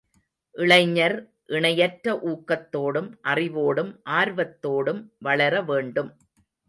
இளைஞர் இணையற்ற ஊக்கத்தோடும் அறிவோடும் ஆர்வத்தோடும் வளரவேண்டும்.